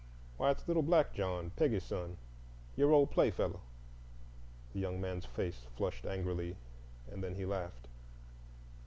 "Why, it's little black John, Peggy's son,—your old playfellow." The young man's face flushed angrily, and then he laughed.